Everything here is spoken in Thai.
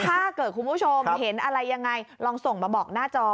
ถ้าเกิดคุณผู้ชมเห็นอะไรยังไงลองส่งมาบอกหน้าจอ